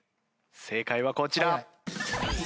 正解はこちら。